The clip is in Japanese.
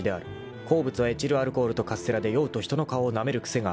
［好物はエチルアルコールとカステラで酔うと人の顔をなめる癖がある］